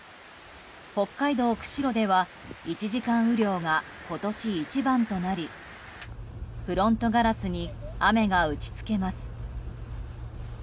北海道釧路では１時間雨量が今年一番となりフロントガラスに雨が打ち付けます。